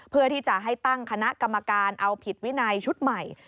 เพื่อที่จะให้ตั้งคณะกรรมการเอาผิดวินัยชุดใหม่